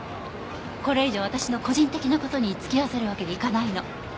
これ以上私の個人的な事に付き合わせるわけにいかないの。